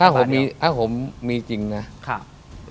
ถ้าผมมีแต่การมีเงินเงินแซนจริงเนี่ย